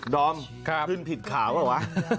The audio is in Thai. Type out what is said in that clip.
ดอมขึ้นผิดขาวหรือวะ